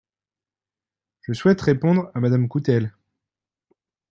Je souhaite répondre à Madame Coutelle.